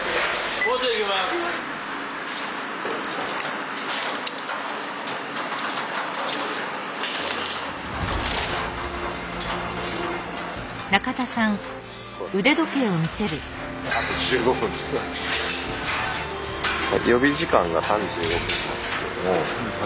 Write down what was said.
予備時間が３５分なんですけれども。